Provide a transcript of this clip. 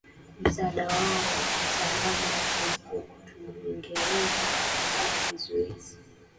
msaada wao wa mtaalam hatungeweza kuondoa vizuizi